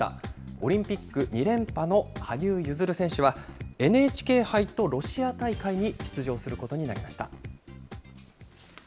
オリンピック２連覇の羽生結弦選手は、ＮＨＫ杯とロシア大会に出場することになりました。